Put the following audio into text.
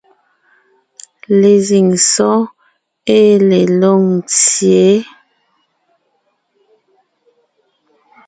Lezíŋ sɔ́ɔn ée le Lôŋtsyě,